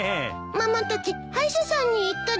ママたち歯医者さんに行ったです。